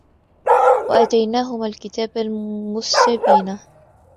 وَآتَيْنَاهُمَا الْكِتَابَ الْمُسْتَبِينَ